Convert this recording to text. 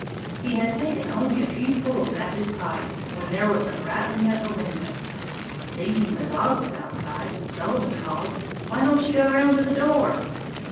He had taken only a few pulls at his pipe when there was a rattling at the window. Thinking the dog was outside, Sullivan called, "Why don't you go round to the door?"